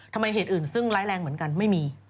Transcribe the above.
เหตุอื่นซึ่งร้ายแรงเหมือนกันไม่มี